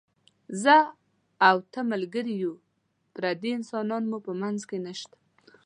زه او ته ملګري یو، پردي انسانان مو په منځ کې نشته.